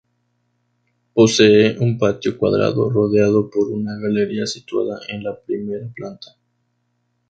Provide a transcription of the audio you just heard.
Posee un patio cuadrado rodeado por una galería situada en la primera planta.